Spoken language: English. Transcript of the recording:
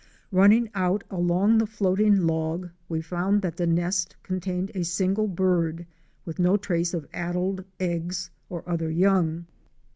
Running out along the floating log we found that the nest contained a single bird, with no trace of addled eggs or other young.